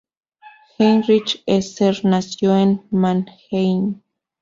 Heinrich Esser nació en Mannheim.